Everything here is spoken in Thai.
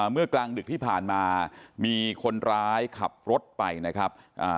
เมื่อกลางดึกที่ผ่านมามีคนร้ายขับรถไปนะครับ